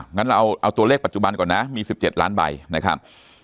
งั้นเราเอาตัวเลขปัจจุบันก่อนนะมี๑๗ล้านใบนะครับ